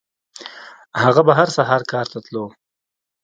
هغه به هر سهار کار ته تلو.